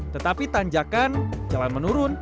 tetapi tanjakan jalan menurun